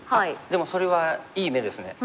でもそれはいい目ですね。